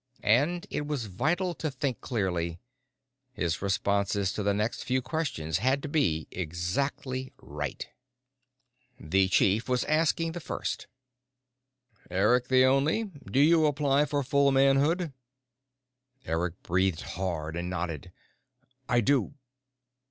And it was vital to think clearly. His responses to the next few questions had to be exactly right. The chief was asking the first: "Eric the Only, do you apply for full manhood?" Eric breathed hard and nodded. "I do."